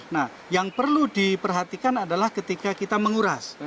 nah yang perlu diperhatikan adalah ketika kita menguras